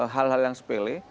hal hal yang sepele